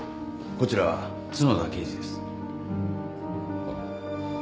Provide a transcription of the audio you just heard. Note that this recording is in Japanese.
こちらは角田刑事です。